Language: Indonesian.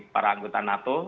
para anggota nato